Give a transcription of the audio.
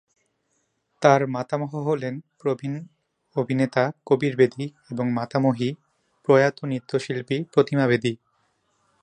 তার মাতামহ হলেন প্রবীণ অভিনেতা কবির বেদী এবং মাতামহী প্রয়াত নৃত্যশিল্পী প্রতিমা বেদী।